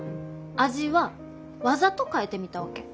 味はわざと変えてみたわけ。